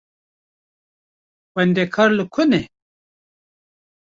Xwendekar li ku ne?